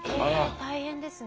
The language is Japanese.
え大変ですね。